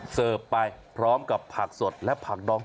เสิร์ฟไปพร้อมกับผักสดและผักดอง